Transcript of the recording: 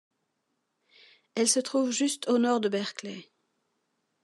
Elle se trouve juste au nord de Berkeley.